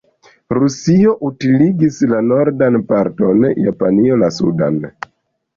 Rusio utiligis la nordan parton, Japanio la sudan.